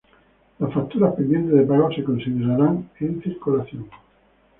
Las facturas pendientes de pago se considerarán en circulación.